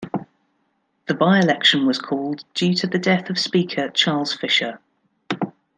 The by-election was called due to the death of speaker Charles Fisher.